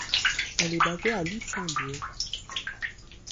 Elle est basée à Luxembourg.